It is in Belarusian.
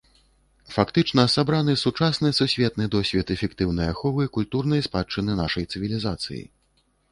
Фактычна сабраны сучасны сусветны досвед эфектыўнай аховы культурнай спадчыны нашай цывілізацыі.